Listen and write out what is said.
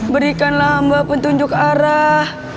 berikanlah hamba petunjuk arah